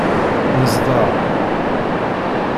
Nezder.